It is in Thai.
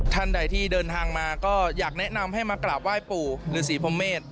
ท่านใดที่เดินทางมาก็อยากแนะนำให้มากราบไหว้ปู่ฤษีพรหมเมษ